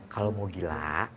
kalau mau gila